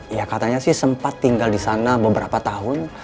ya katanya sih sempat tinggal di sana beberapa tahun